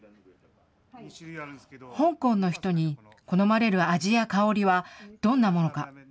香港の人に好まれる味や香りはどんなものか。